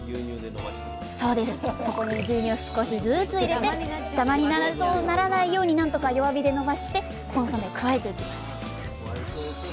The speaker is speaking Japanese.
そこに牛乳を少しずつ入れてだまにならないように何とか弱火でのばしてコンソメを加えていきます。